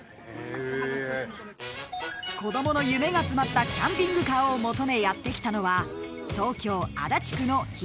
［子供の夢が詰まったキャンピングカーを求めやって来たのは］